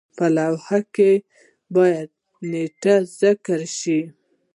په لایحه کې باید نیټه ذکر شي.